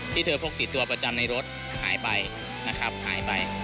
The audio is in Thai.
ที่เธอพกติดตัวประจำในรถหายไปนะครับหายไป